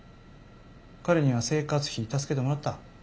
彼には生活費助けてもらった？